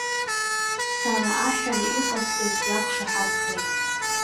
Сара аҳәара иҟасҵаз иақәшаҳаҭхеит.